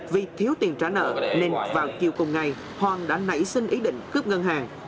vì thiếu tiền trả nợ nên vào chiều cùng ngày hoàng đã nảy sinh ý định cướp ngân hàng